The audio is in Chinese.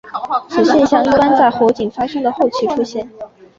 此现象一般在火警发生的后期出现。